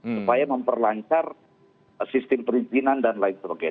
supaya memperlancar sistem perizinan dan lain sebagainya